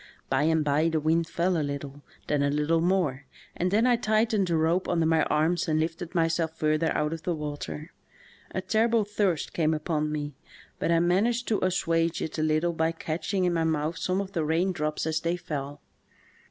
By and by the wind fell a little, then a lit tle more, and then I tightened the rope under my arms and lifted myself further out of the water. A terrible thirst came upon me, but I managed to assuage it a little by catching in my mouth some CAUGHT IN A TYPHOON. 149 of the rain drops as they fell.